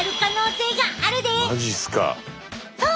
そう！